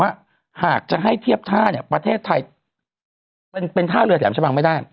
ว่าหากจะให้เทียบท่าเนี่ยประเทศไทยเป็นท่าเรือแหลมชะบังไม่ได้